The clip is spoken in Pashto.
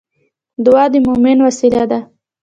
دعا د مومن وسله ده